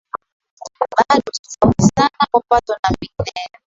Bado, tafauti sana, kwa pato na mengineyo